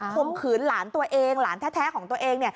มขืนหลานตัวเองหลานแท้ของตัวเอง